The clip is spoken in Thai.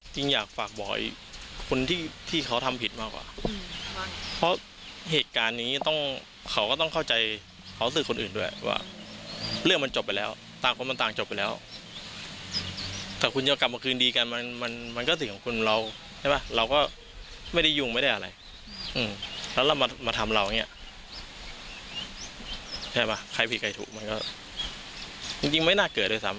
จริงอยากฝากบอกคนที่ที่เขาทำผิดมากกว่าเพราะเหตุการณ์นี้ต้องเขาก็ต้องเข้าใจเขาสื่อคนอื่นด้วยว่าเรื่องมันจบไปแล้วต่างคนมันต่างจบไปแล้วแต่คุณจะกลับมาคืนดีกันมันมันก็สิ่งของคุณเราใช่ไหมเราก็ไม่ได้ยุ่งไม่ได้อะไรแล้วเรามาทำเราอย่างเงี้ยใช่ป่ะใครผิดใครถูกมันก็จริงไม่น่าเกิดด้วยซ้ำ